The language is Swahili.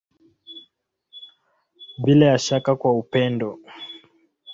Bila ya shaka kwa upendo.